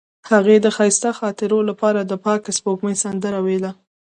هغې د ښایسته خاطرو لپاره د پاک سپوږمۍ سندره ویله.